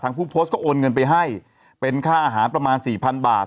ผู้โพสต์ก็โอนเงินไปให้เป็นค่าอาหารประมาณสี่พันบาท